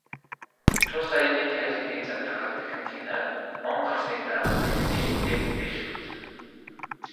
Тус аяны тайлангийн задаргааг дахин хянаад, он гарсны дараа бүлгийн гишүүддээ мэдээлэх болно.